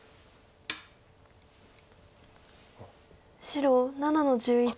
白７の十一。